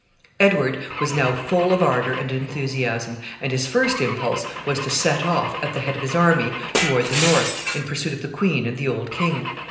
Edward was now full of ardor and enthusiasm, and his first impulse was to set off, at the head of his army, toward the north, in pursuit of the queen and the old king.